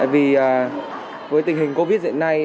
vì với tình hình covid dạy nay